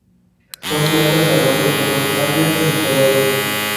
Son plantas anuales; con savia incolora.